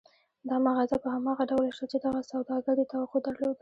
دا مغازه په هماغه ډول شته چې دغه سوداګر يې توقع درلوده.